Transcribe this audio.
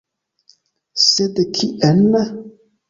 Sed kien?